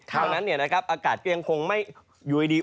เพราะฉะนั้นอากาศก็ยังคงไม่อยู่ดี